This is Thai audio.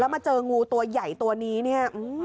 แล้วมาเจองูตัวใหญ่ตัวนี้